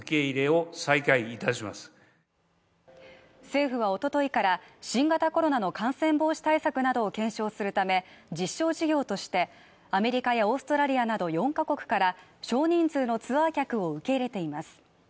政府はおとといから、新型コロナの感染防止対策などを検証するため、実証事業としてアメリカやオーストラリアなど４カ国から少人数のツアー客を受け入れています。